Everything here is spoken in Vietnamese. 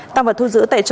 tăng vật thu giữ tại chỗ